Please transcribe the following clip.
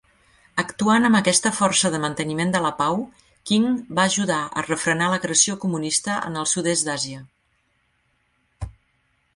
Actuant amb aquesta força de manteniment de la pau, King va ajudar a refrenar l'agressió comunista en el sud-est d'Àsia.